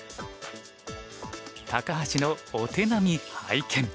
高橋のお手並み拝見。